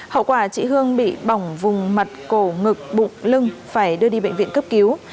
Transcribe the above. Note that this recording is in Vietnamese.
hậu quả chị hương bị bỏng vùng mặt cổ ngực bụng lưng phải đưa đi bệnh viện cấp cứu